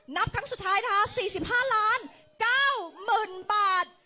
นับครั้งสุดท้ายค่า๔๕ล้าน๙หมื่นบาท